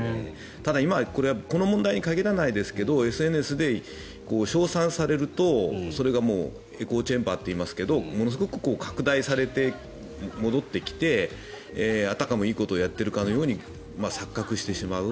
ただ、今この問題に限らないですがＳＮＳで称賛されるとそれがもうエコーチェンバーといいますがものすごく拡大されて戻ってきて、あたかもいいことをやっているかのように錯覚してしまう。